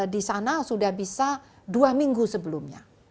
di sana sudah bisa dua minggu sebelumnya